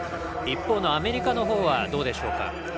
一方のアメリカのほうはどうでしょうか？